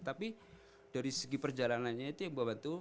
tapi dari segi perjalanannya itu yang membantu